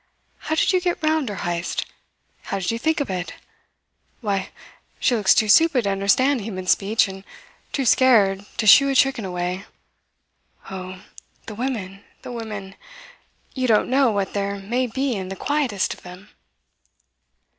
How did you get round her, Heyst? How did you think of it? Why, she looks too stupid to understand human speech and too scared to shoo a chicken away. Oh, the women, the women! You don't know what there may be in the quietest of them."